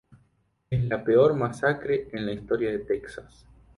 Es la peor masacre en la historia de Texas.